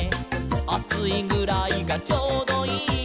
「『あついぐらいがちょうどいい』」